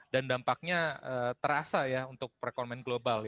dan dampaknya terasa ya untuk perekonomian global